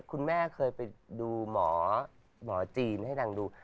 คุณแม่เคยไปดูหมอหมอจีนให้นางดู